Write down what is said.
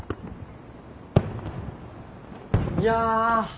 いや。